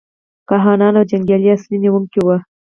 کاهنان او جنګیالي اصلي نیونکي وو.